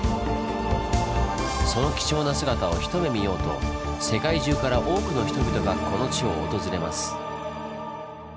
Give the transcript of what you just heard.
その貴重な姿を一目見ようと世界中から多くの人々がこの地を訪れます。